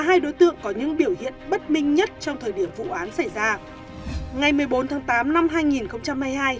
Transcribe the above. hai đối tượng có những biểu hiện bất minh nhất trong thời điểm vụ án xảy ra ngày một mươi bốn tháng tám năm